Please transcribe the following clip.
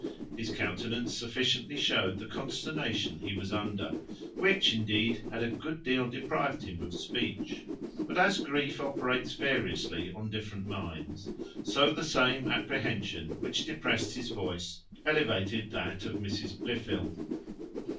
His countenance sufficiently showed the consternation he was under, which, indeed, had a good deal deprived him of speech; but as grief operates variously on different minds, so the same apprehension which depressed his voice, elevated that of Mrs Blifil.